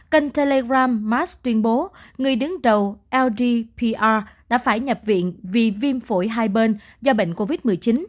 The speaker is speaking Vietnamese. kênh telegram max tuyên bố người đứng đầu ldpr đã phải nhập viện vì viêm phổi hai bên do bệnh covid một mươi chín